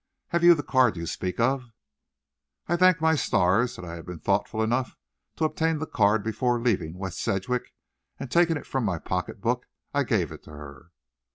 Have you the card you speak of?" I thanked my stars that I had been thoughtful enough to obtain the card before leaving West Sedgwick, and taking it from my pocket book, I gave it to her.